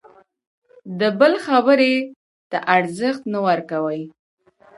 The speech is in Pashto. د بل خبرې ته ارزښت نه ورکوي.